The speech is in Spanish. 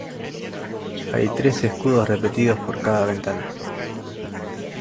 Hay tres escudos repetidos por cada ventana.